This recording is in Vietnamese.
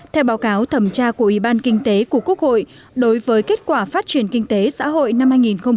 theo báo cáo thẩm tra của ủy ban kinh tế của quốc hội đối với kết quả phát triển kinh tế xã hội năm hai nghìn một mươi chín